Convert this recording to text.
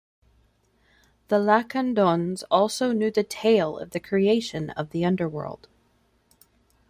The Lacandons also knew the tale of the creation of the Underworld.